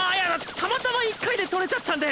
たまたま１回で取れちゃったんで！